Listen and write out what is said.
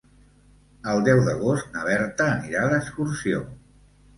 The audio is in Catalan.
El deu d'agost na Berta anirà d'excursió.